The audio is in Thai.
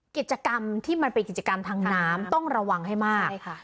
กิจกรรมที่มันเป็นกิจกรรมทางน้ำต้องระวังให้มากใช่ค่ะ